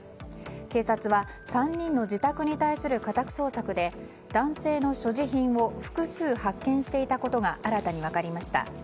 警察は３人の自宅に対する家宅捜索で男性の所持品を複数発見していたことが新たに分かりました。